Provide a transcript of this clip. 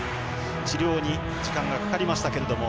治療に時間がかかりましたけれども